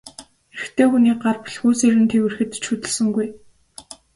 Эрэгтэй хүний гар бэлхүүсээр нь тэврэхэд ч хөдөлсөнгүй.